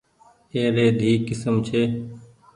اي ري دئي ڪسم ڇي۔